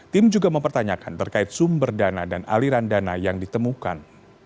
tim juga mempertanyakan terkait sumber dana dan aliran dana yang ditemukan